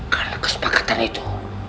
karena kesepakatan itu